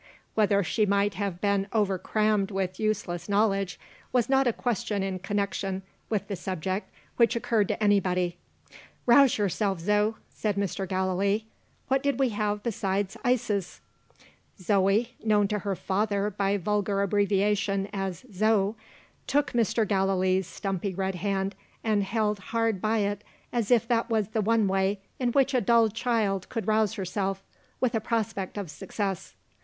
Whether she might have been over crammed with useless knowledge, was not a question in connection with the subject which occurred to anybody. "Rouse yourself, Zo," said Mr. Gallilee. "What did we have besides ices?" Zoe (known to her father, by vulgar abbreviation, as "Zo") took Mr. Gallilee's stumpy red hand, and held hard by it as if that was the one way in which a dull child could rouse herself, with a prospect of success.